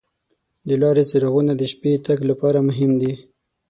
د لارې څراغونه د شپې تګ لپاره مهم دي.